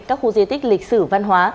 các khu di tích lịch sử văn hóa